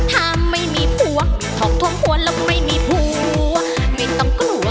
ถ้าไม่มีผัวถกทมหัวแล้วก็ไม่มีผัวไม่ต้องกลัว